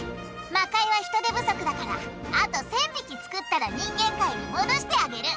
魔界は人手不足だからあと１，０００匹作ったら人間界に戻してあげる！